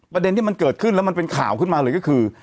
ประเด็นที่มันเกิดขึ้นแล้วมันเป็นข่าวขึ้นมาเลยก็คือ